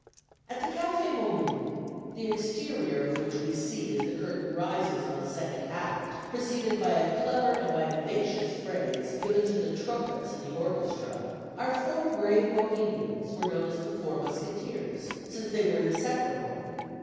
At the café Momus the exterior of which we see as the curtain rises on the second Act, preceded by a clever and vivacious phrase given to the trumpets in the orchestra our four brave Bohemians were known as the Four Musketeers, since they were inseparable.